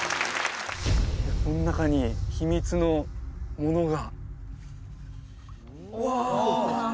この中に秘密のものがうわ！